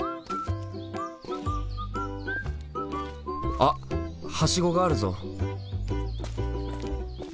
あはしごがあるぞ。